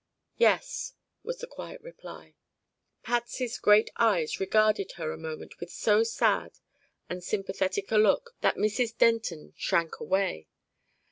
"Yes," was the quiet reply. Patsy's great eyes regarded her a moment with so sad and sympathetic a look that Mrs. Denton shrank away.